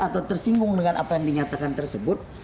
atau tersinggung dengan apa yang dinyatakan tersebut